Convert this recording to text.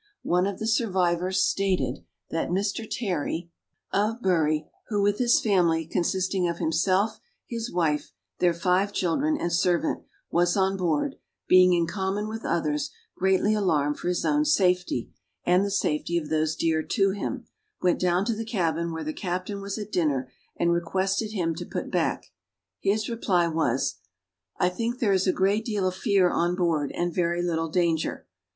One of the survivors stated, that Mr. Tarry, of Bury, who, with his family, consisting of himself, his wife, their five children, and servant, was on board, being, in common with others, greatly alarmed for his own safety and the safety of those dear to him, went down to the cabin, where the captain was at dinner, and requested him to put back. His reply was, "I think there is a great deal of fear on board, and very little danger.